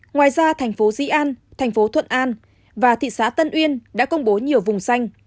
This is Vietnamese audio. ngoài ra thành phố dĩ an thành phố thuận an và thị xã tân uyên đã công bố nhiều vùng xanh